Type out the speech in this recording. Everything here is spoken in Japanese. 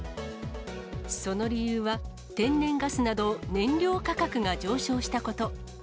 その理由は、天然ガスなど燃料価格が上昇したこと。